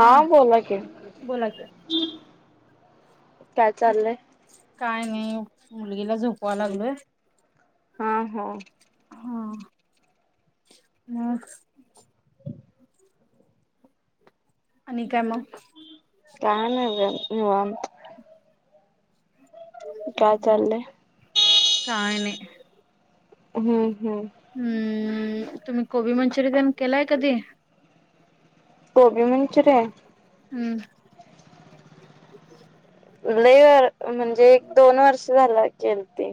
हा बोला कि. बोला की काय चाललंय. काय नाही मुलगीला झोपवा लागलोय. हा हा, हा मग. आणि काय मग. काय नाही बघा निवांत. काय चाल. काय नाही. हम्म हम्म. हम्म तुम्ही कोबी मंचुरियन केलाय कधी. कोबी मंचुरी. हम्. लय व म्हणजे एक दोन वर्ष झालं केल ती.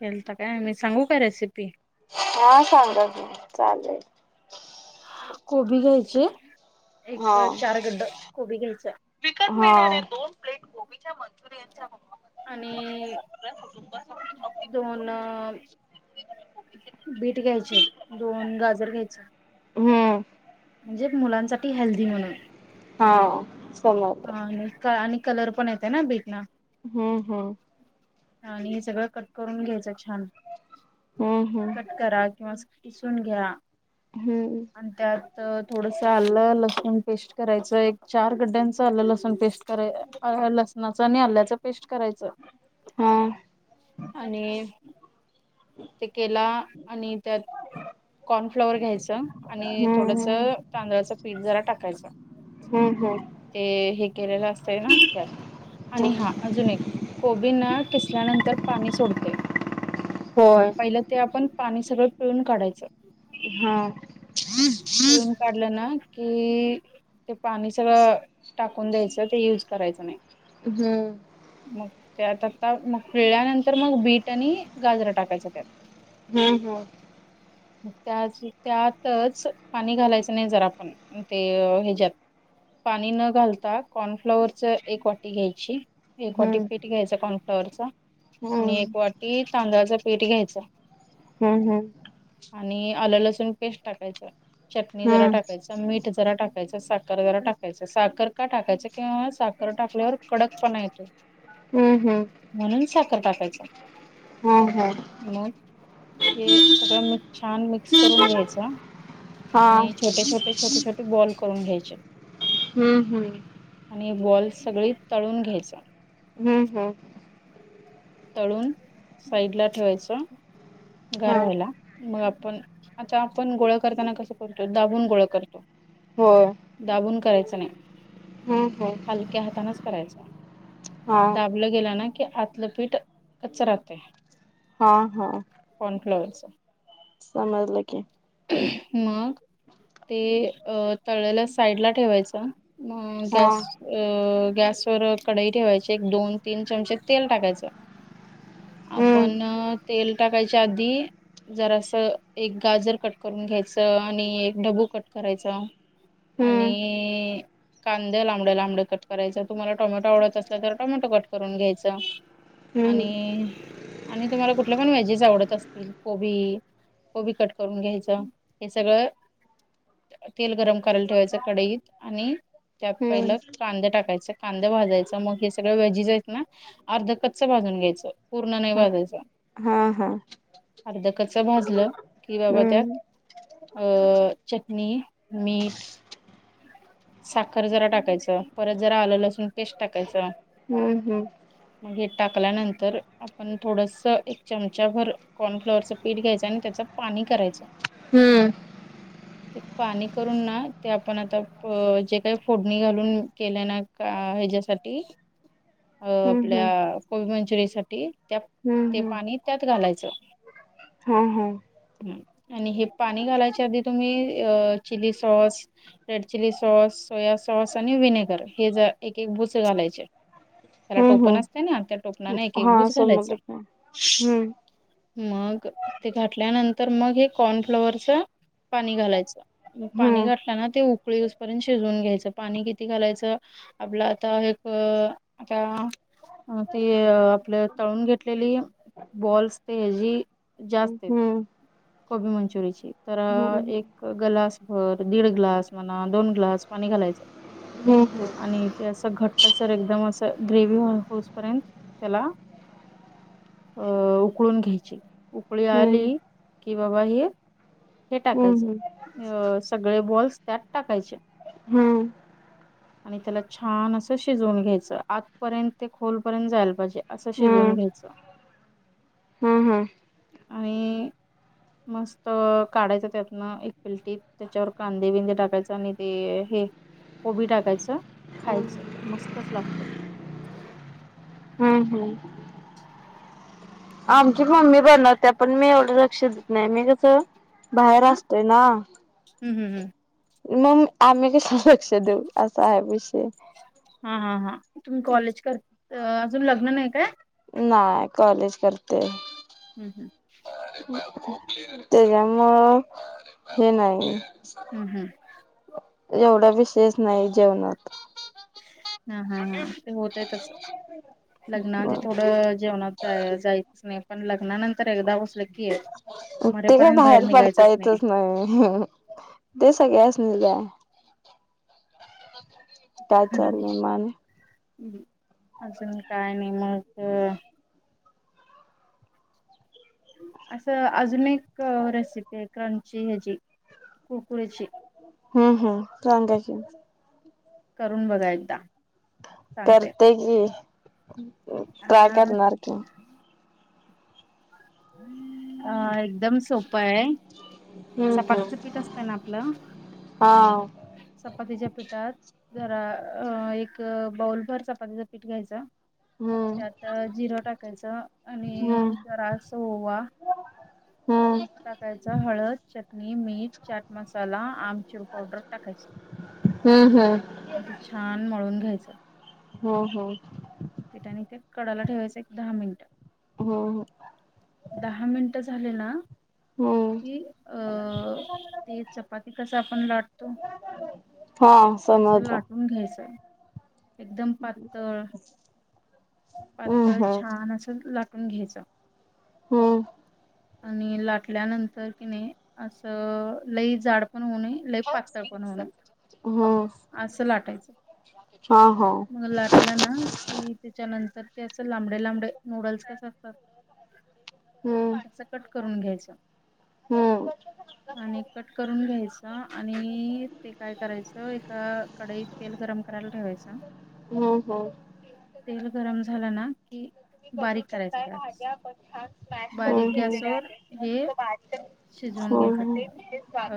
केलता काय मी सांगू काय रेसिपी. हा सांगा की चालेल. कोबी घ्यायची एक चार गड्ड कोबी घ्यायचय. हा. आणि दोन. बीट घ्यायचे दोन गाजर घ्यायचे. हम्म. म्हणजे मुलांसाठी हेल्दी म्हणून. हा सम. हा आणि आणि कलर पण येतय ना बीट ना. हम्म हम्म. आणि हे सगळं कट करून घ्यायचं छान. हम्म कट करा किंवा किसून घ्या. हम्म. आणि त्यात थोडस आलं लसूण पेस्ट करायच एक चार गड्ड्यांच. त आलं लसण पेस्ट करा ल लसणाच आणि आल्याचं. पेस्ट करायच हा आणि. ते केला आणि त्यात कॉर्नफ्लॉवर घ्यायचा. आणि हम्म थोडस हम्म तांदळाचं पीठ जरा टाकायचं. हम्म हम्म. ते हे केलेलं असतय ना त्यात आणि हा अजून एक. कोबींना किसल्यानंतर पाणी सोडते. होय. पहिलं ते आपण पाणी सगळं पिळून काढायचं. हा पिळून काढलं ना की ते पाणी सगळ टाकून द्यायचं ते युज करायचं नाही. हम्म मग त्यात आता मग पिळल्यानंतर मग बीट आणि गाजरं टाकायचं त्यात हम् हम् त्या त्यातच पाणी घालायचं नाही जरा आपण ते हच्यात पाणी न घालता कॉर्नफ्लॉवर च एक वाटी घ्यायची. एक वाटी समजलं पीठ घ्यायच कॉर्नफ्लॉवरचा आणि एक वाटी तांदळाच पीठ घ्यायच. हम्म हम आणि आलं लसूण पेस्ट टाकायचं. चटणी जरा टाकायच. मीठ जरा टाकायचं. साखर जरा टाकायच. साखर का टाकायच? का साखर टाकल्यावर कडक पणा येतो. हम्म हम्म म्हणून साखर टाकायचं. हा हा. मग हे सगळं मिक्स छान मिक्स करून घ्यायचा. आणि छोटे छोटे छोटे छोटे बॉल करून घ्यायचे. हम्म हम्म आणि बॉल सगळी तळून घ्यायचा. हम्म हम्म तळून साईड ला ठेवायचं गार व्हायला. मग आपण आता आपण गोळा करताना कसं करतो दाबून गोळ करतो. होय. दाबून करायचं नाही. हम हम हलक्या हातानच करायच दाबलं गेला ना की आतलं पीठ कच्च राहतंय. हा हा कॉर्नफ्लॉअर्सच समजलं की, मग ते अ तळलेल साईड ला ठेवायचं. म हा गॅस अ गॅसवर कढई ठेवायची एक दोन तीन चमचे तेल टाकायचं. हम्म आपण तेल टाकायच्या आधी जरा अस एक गाजर कट करून घ्यायचं आणि एक डबू कट करायचा. हम्म आणि कांद लांबड लांबड कट करायच तुम्हाला टॉमॅटो आवडत असल तर टोमॅटो कट करून घ्यायचं. हम्म आणि हम्म आणि तुम्हाला कुठल्या पण व्हेजेस आवडत असतील कोबी कोबी कट करून घ्यायचं हे सगळं तेल गरम करायला ठेवायचं कडईत आणि त्यात पहिलं कांदे टाकायचं कांदे भाजायचं मग हे सगळं वेजेज आहेत ना अर्ध क भाजून घ्यायचं पूर्ण नाही भाजायच. हा हा अर्ध कच भाजलं की रवा त्यात हम्म अ चटनी मीट साखर जरा टाकायचं परत जरा आलं लसून पेस्ट टाकायचं. हम्म हम्म. हे टाकल्यानंतर आपण थोडस एक चमचा भर कॉर्नफ्लॉवरचं पीठ घ्यायचं आणि त्याच पाणी करायचं. हम्म. [unintelligible] ते पाणी करून ना ते आपण आता जे काही फोडणी घालून केल्या ना का हेच्यासाठी अ आपल्या हम्म कोबी मंचुरीसाठी त्या हम्म ते पाणी त्यात घालायचं. हम हम. ह आणि हे पाणी घालायच्या आधी तुम्ही अ chilli sauce red chilli sauce soya sauce आणि विनेगर हे ज एक एक बुच घालायचे. हम्म त्याला टोपन हम्म असतय ना त्यात हा समज लिका हम्म. मग ते घातल्यानंतर मग हे कॉर्नफ्लॉवरच पाणी घालायचं. पाणी हम्म घातल्या ना ते उकळी सपर्यंत शिजवून घ्यायचं, पाणी किती घालायचं? आपलं आता एक आता ती आपल्या तळून घेतलेली, बॉल्स ते हची जास्त हम्म आहेत. हम्म कोबी मंचुरीची. तर हम्म एक ग्लास भर दीड ग्लास म्हणा दोन ग्लास पाणी घालायचं. हम्म आणि ते असं घट्ट सर एकदम असं ग्रेवी होस पर्यंत त्याला अ उकळून घ्यायची, उकळी आली हम्म कि बाबा हे हे हम्म टाकायचं, सगळे बॉल्स त्यात टाकायचे. हम्म आणि त्याला छान असं शिजवून घ्यायचं आतपर्यंत ते खोलपर्यंत जायला पाहिजे असं शिजवून घ्यायचं. [unintelligible] हम हम. आणि. मस्त काढायच त्यातनं एक पिलटीत त्याच्यावर कांदे बिंदे टाकायच आणि ते हे कोबी टाकायचं हम्म खायचं मस्तच लागतंय. हं हं. [unintelligible] आमची मम्मी बनवत्या पण मी एवढं लक्ष देत नाही मी कसं बाहेर असतोय ना. हं हं हं. मग आम्ही कशाला लक्ष देऊ असं आहे विषय. हा हा हा तुम्ही कॉलेज कर अजून लग्न नाही काय. नाय कॉलेज करते. हं हं. त्याच्यामुळ हे नाही. हं हं. एवढा विशेष नाही जेवणात. हा हा हा ते होतय तसं. लग्नाआधी थोडं जेवणात जाय जायाचंच नाही पण लग्नानंतर एकदा बसलं की उठते काय मरेपर्यंत बाहेर पडता निघायचंच नाही. येतच नाय. ते सगळ्यासनी दिल्या. काय चालंलय म आणि अजून काय नाई मग असं अजून एक रेसिपी हाय क्रंची ह्याजी कुरकुरेची हं हं सांगाची [unintelligible] करून बघा एकदा सांगते. करते की, ट्राय अ करणार की अ एकदम सोप आय. हम्म हम्म चपातीचं पीठ असतं ना आपलं हा चपातीच्या पीठात जरा अ एक बाऊलभर चपातीचं पीठ घ्यायच. हम्म त्यात जिरं टाकायचं आणि हम्म जरास ओवा. हा टाकायचा. हळद, चटणी, मीठ, चाट मसाला, आमचुर पावडर टाकायच हम्म, हम्म आणि ते, छान मळून घ्यायचं. हो हो. पीठ आणि ते कडला ठेवायचं एक दहा मिनिटं. हो हो. दहा मिनिटं झाले ना हम्म की अ ते चपाती कस आपण लाटतो हा, तसं समजल. लाटून घ्यायचं एकदम पातळ हम्म पातळ, हम्म छान असं लाटून घ्यायचं. हो. आणि लाटल्यानंतर, की नय असं लई जाड पण होऊ नये. लय पातळ पण होऊ नये, हम्म असं लाटायचं हा हा मग लाट लाटलं ना की, त्याच्यानंतर ते अस लांबडे लांबडे नूडल्स कस असतात. हम्म तसं कट करून घ्यायचं. हम्म आणि कट करून घ्यायच. आणि ते काय करायचं, एका कडईत तेल गरम करायला ठेवायचा हो हो. तेल गरम झालं ना, की, तुम्ही बघू बारीक करायचं शकताय गॅस भाज्या आपण छान स्मॅश बारीक करून घेतलेल्या गॅसवर आहेत. हे मस्त [unintelligible] शिजवून हं घ्यायचं हं सगळं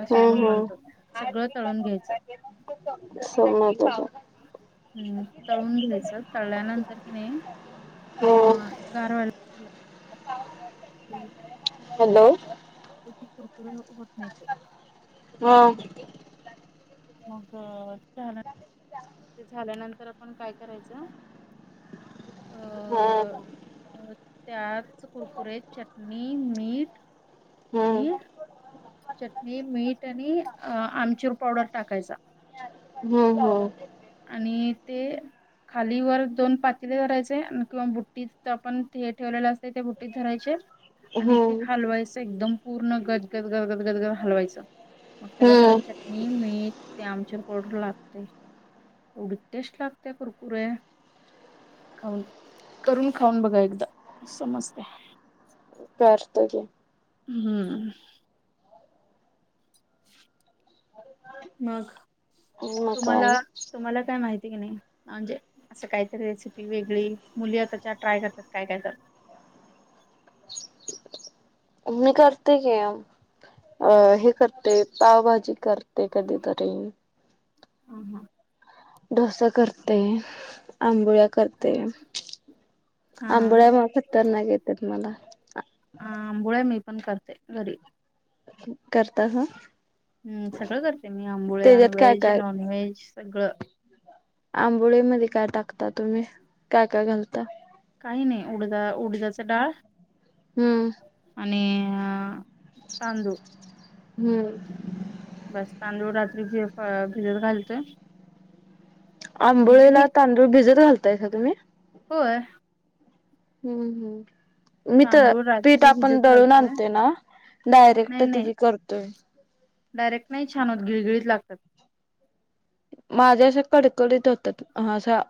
अ हं शिजवून हं म्हणतो सगळं तळून घ्यायचं [unintelligible] हूं तळून घ्यायचं. तळल्यानंतर की नाय हो. [unintelligible] हॅलो याचे कुरकुर होत नाय ते. हा मग झालं. मग ते झाल्यानंतर, आपण काय करायचं अ हा हा अ त्याच कुरकुरे चटणी, मीठ आणि हम्म चटणी मीठ आणि अ आमचूर पावडर. टाकायचा. हम्म हम्म. आणि ते. खाली वर दोन पातीले धरायचे किंवा बुट्टीत आपण ठेवलेलं असते ते बुट्टीत धरायचे. आणि ते हम्म हालवायचं एकदम पूर्ण गजगद गजगद गजगद हालवायचं. मग त्याला सगळ हम्म चटणी मीठ. ते आमच्यार पावडर लागतेय एवढी टेस्ट लागते कुरकुर्या. खाऊन करून खाऊन बघा एकदा समजते. करतो की. हम्म. मग. मग काय तुम्हाला नाही तुम्हाला काय माहिती की नाही. म्हणजे असं कायतरी रेसिपी वेगळी मुली आताच्या ट्राय करतात काय काय तर. मी करते की. अ हे करते पावभाजी करते कधीतरी. हम हम. डोसा करते आंबोळ्या करते. हा हा हा आंबोळ्या बघ खतरना घेतात मला. आंबोळे मी पण करते घरी. करर्ता सा. हम् सगळं करते मी आंबोळन त्याच्यात काय व्हेज काय नॉनव्हेज सगळं. आंबोळी मध्ये काय टाकता तुम्ही काय काय घालता. काही नाही उडज उडजाचा डाळ. हम्म आणि तांदूळ हम्म. बस तांदूळ रात्री भि भिजत घालतोय. म्हणजे मी आंबोळेला तांदूळ भिजत घालताय का तुम्ही. होय. हम्म हम्म. मी तर तांदूळ पीठ रात्री आपण भिजत दळून घालतोय आणते ना डायरेक्ट नाही नाही तची करतोय. डायरेक्ट नाही छान होत गळळीत लातात. माझ्या अस कडकडीत होतात असा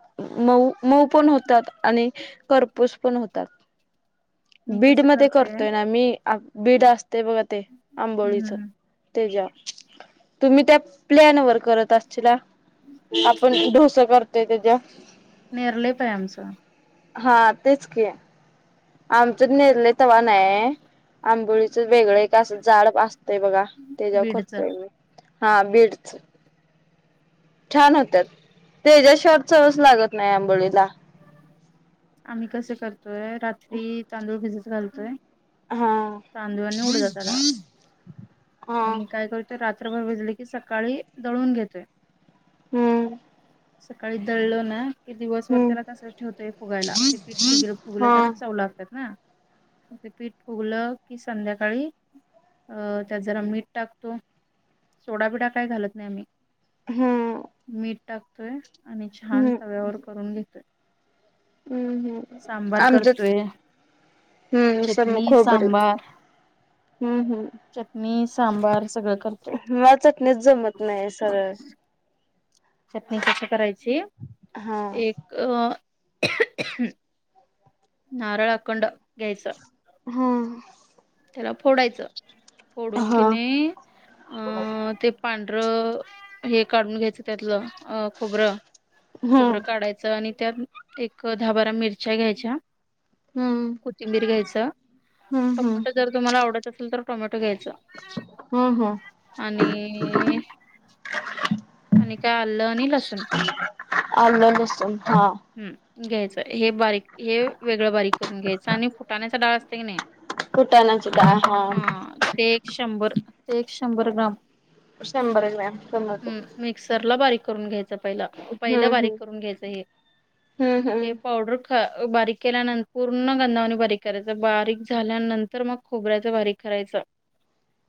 मऊ मऊ पण होतात आणि. कर्पूस पण होतात. मी बीड कसं मध्ये करते करतोय ना मी बीड असते बघा ते आंबोळीच. हम्म तेच्या तुम्ही त्या प्लॅन वर करत आशीला. आपण डोस करतोय त्याच्या. नेरलेप हाय आमचं. हा तेच की. आमचच निर्ले तवा आहे आंबोळीच वेगळं एक असं झाड अस. ते बघा ते जेव बीडचं कररतोय मी हा बीडच. छान होत्या तेच्याशिवार चवच लागत नाही आंबोळीला. आम्ही कसे करतोय रात्री तांदूळ भिजत घालतोय. हा तांदूळ आणि उडदाचा डाळ. हा आम्ही काय करतोय रात्रभर भेजली की सकाळी दळून घेतोय. हम्म. सकाळी दळल ना कि दिवसभर हम्म त्याला तसंच ठेवतोय फुगायला. ते पीठ फिगर हा फुगलं तरच चव लागतात ना. म ते पीठ फुगलं की संध्याकाळी अ त्यात जरा मीठ टाकतो, सोडा बिडा काय घालत नाही आम्ही. हं. मीठ टाकतोय आणि छान तव्यावर करून घेतोय. अं हं, सांबार आमच्यात करतोय हं, स म चटणी खोबरं. सांबार हं हं. चटणी, सांबार सगळं करतोय मला चटणी नाहीच जमत नाही सरळ चटणी कशी करायची? हा एक अ नांरळ अखंड घ्यायचं, हं, त्याला फोडायचं. हम्म फोडून कि हम्म नई अं ते पांढरं हे कांंढून घ्यायचं त्यांतलं अ खोबरं. खोबरं काढायचं च आणि त्यात एक दहा बारा मिर्च्या द्यायच्या, हं. कोथिंबीर घ्यायचं, हं हं. जर तुम्हाला आवडत असेल तर टोमॅटो घ्यायचा, हम्म हम्म आणि आणि काय आलं आणि लसूण आलं - लसूण हा. हं, घ्यायचं हे बारीक हे वेगळं बारीक करूंन घ्यायचं. आणि फुटाण्याच डाळ असते की नाही, फुटाण्यांची डाळ हा. ते एक शंभर ते एक शंभर ग्राम शंभर ग्रॅम [unintelligible] मिक्सर ला बारीक करूंन घ्यायचं पहिल. पहिलं हम्म हम्म बारीक करूंन घ्यायचं हे. हम्म हे हम्म पावडर क ख बारीक केल्यानं पूर्ण गंधावानी बारीक करायचं. बारीक झाल्यानंतर मग खोबऱ्यांयच बारीक करायचं. [inaudible]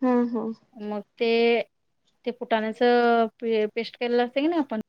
हं हं. मग ते, ते फुटाण्याचं प पेस्ट केलेलं असतं की नही आपणं,